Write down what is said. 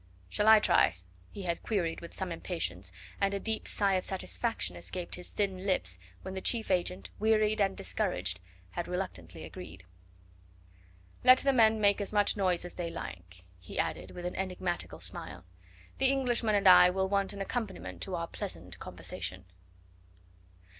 "Shall I try?" he had queried with some impatience, and a deep sigh of satisfaction escaped his thin lips when the chief agent, wearied and discouraged, had reluctantly agreed. "Let the men make as much noise as they like," he added with an enigmatical smile. "The Englishman and I will want an accompaniment to our pleasant conversation."